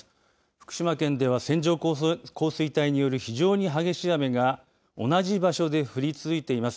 福島県では線状降水帯による非常に激しい雨が同じ場所で降り続いています。